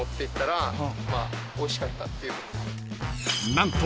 ［何と］